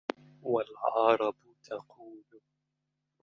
وَالْعَرَبُ تَقُولُ